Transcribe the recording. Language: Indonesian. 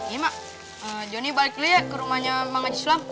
iya mbak joni balik dulu ya ke rumahnya mang haji sulam